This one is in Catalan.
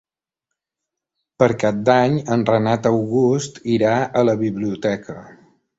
Per Cap d'Any en Renat August irà a la biblioteca.